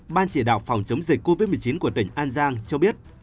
ban chỉ đạo phòng chống dịch covid một mươi chín của tỉnh an giang cho biết